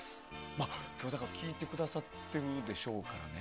今日、聴いてくださってるでしょうからね。